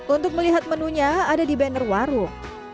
untuk melihat menunya ada di banner warung